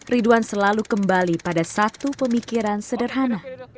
ridwan selalu kembali pada satu pemikiran sederhana